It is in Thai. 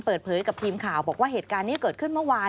เปิดเผยกับทีมข่าวบอกว่าเหตุการณ์นี้เกิดขึ้นเมื่อวาน